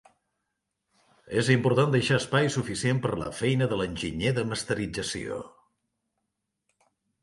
És important deixar espai suficient per a la feina de l'enginyer de masterització.